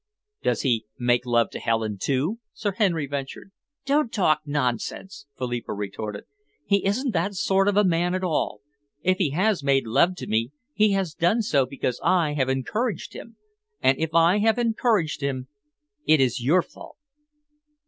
"Does he make love to Helen, too?" Sir Henry ventured. "Don't talk nonsense!" Philippa retorted. "He isn't that sort of a man at all. If he has made love to me, he has done so because I have encouraged him, and if I have encouraged him, it is your fault."